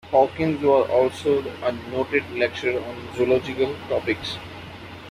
Hawkins was also a noted lecturer on zoological topics.